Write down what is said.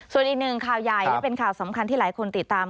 ส่วนอีกหนึ่งข่าวใหญ่และเป็นข่าวสำคัญที่หลายคนติดตาม